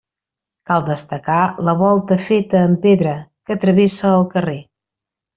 Cal destacar la volta feta amb pedra, que travessa el carrer.